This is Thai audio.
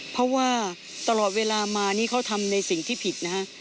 เพราะว่าตลอดเวลามานี่เขาทำในสิ่งที่ผิดนะฮะ